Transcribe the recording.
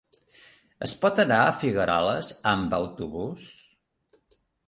Es pot anar a Figueroles amb autobús?